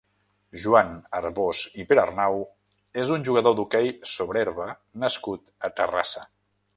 Joan Arbós i Perarnau és un jugador d'hoquei sobre herba nascut a Terrassa.